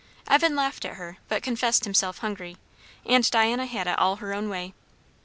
Evan laughed at her, but confessed himself hungry, and Diana had it all her own way.